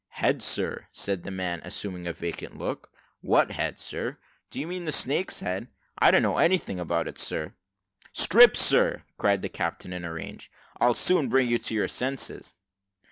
"Head, sir," said the man, assuming a vacant look; "what head, sir. Do you mean the snake's head? I don't know anything about it, sir." "Strip, sir!" cried the captain, in a rage; "I'll soon bring you to your senses."